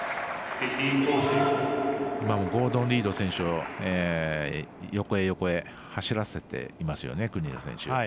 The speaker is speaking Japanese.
今もゴードン・リード選手横へ横へ走らせていますよね国枝選手。